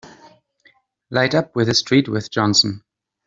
Light up with the street with Johnson!